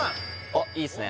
おっいいっすね